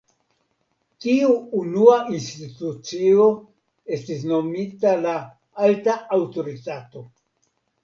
Tiu unua institucio estis nomita la "Alta Aŭtoritato".